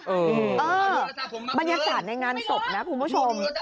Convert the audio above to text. เออบรรยากาศในงานศพนะคุณผู้ชม